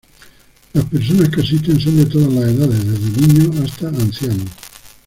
Las personas que asisten son de todas las edades, desde niños hasta ancianos.